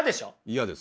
嫌です。